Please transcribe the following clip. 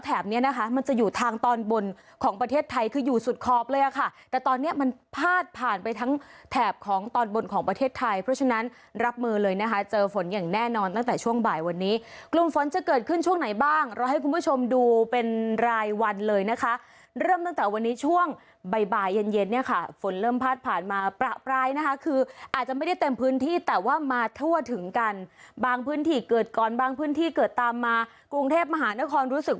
รับมือเลยนะคะเจอฝนอย่างแน่นอนตั้งแต่ช่วงบ่ายวันนี้กลุ่มฝนจะเกิดขึ้นช่วงไหนบ้างเราให้คุณผู้ชมดูเป็นรายวันเลยนะคะเริ่มตั้งแต่วันนี้ช่วงบ่ายเย็นเนี่ยค่ะฝนเริ่มพัดผ่านมาประปรายนะคะคืออาจจะไม่ได้เต็มพื้นที่แต่ว่ามาทั่วถึงกันบางพื้นที่เกิดก่อนบางพื้นที่เกิดตามมากรุงเทพมหานครรู้สึก